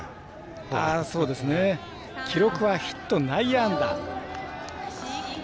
記録はヒット、内野安打。